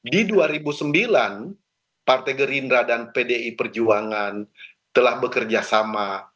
di dua ribu sembilan partai gerindra dan pdi perjuangan telah bekerja sama